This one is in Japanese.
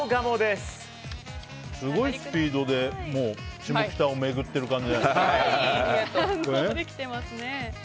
すごいスピードで下北を巡ってる感じだね。